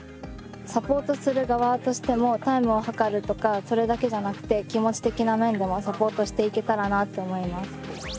サポートする側としてもタイムを測るとかそれだけじゃなくて気持ち的な面でもサポートしていけたらなって思います。